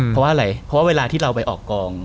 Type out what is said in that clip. เพราะว่าอะไรเพราะว่าเวลาที่เราไปออกกอง